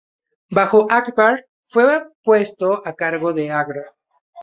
Bajo Akbar, fue puesto a cargo de Agra.